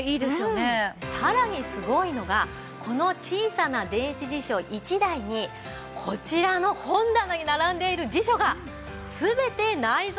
さらにすごいのがこの小さな電子辞書一台にこちらの本棚に並んでいる辞書が全て内蔵されているんです。